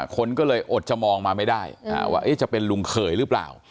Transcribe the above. คนก็เลยอดจะมองมาไม่ได้ว่าจะเป็นลุงเขยหรือเปล่า